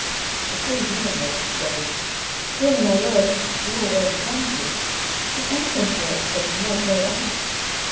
The queen hearing this, exclaimed, Trul}^, my lord, such a jewel well becomes you : give any thing for it that the knight may ask.